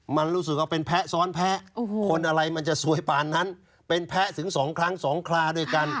มันรู้สึกว่าเป็นแพ้ซ้อนแพ้คนอะไรมันจะสวยป่านนั้นเป็นแพ้ถึง๒ครั้ง๒คลาด้วยกัน